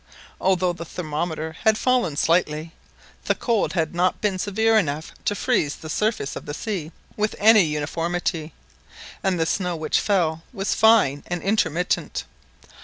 Although the thermometer had fallen slightly, the cold had not been severe enough to freeze the surface of the sea, with any uniformity, and the snow which fell was fine and intermittent.